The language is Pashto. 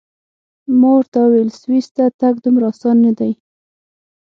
ما ورته وویل: سویس ته تګ دومره اسان نه دی.